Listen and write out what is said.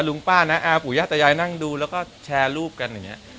ลุงป้าน้าอาปู่ย่าตายายนั่งดูแล้วก็แชร์รูปกันอย่างนี้